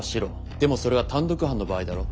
でもそれは単独犯の場合だろ？